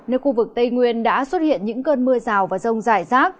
nơi khu vực tây nguyên đã xuất hiện những cơn mưa rào và rông rải rác